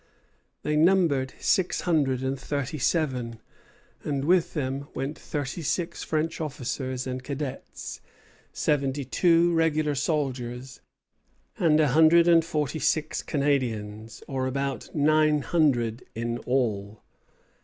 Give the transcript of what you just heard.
They numbered six hundred and thirty seven; and with them went thirty six French officers and cadets, seventy two regular soldiers, and a hundred and forty six Canadians, or about nine hundred in all.